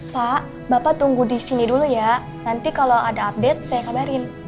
pak bapak tunggu di sini dulu ya nanti kalau ada update saya kabarin